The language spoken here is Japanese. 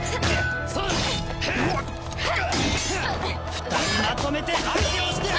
２人まとめて相手をしてやる！